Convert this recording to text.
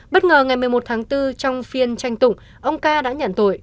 bất ngờ ngày một mươi một tháng bốn trong phiên tranh tụng ông ca đã nhận tội